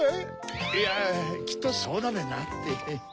⁉いやきっとそうだべなって。